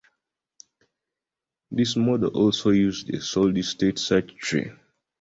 This model also used solid-state circuitry.